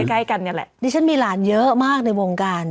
ใกล้กันนี่แหละดิฉันมีหลานเยอะมากในวงการ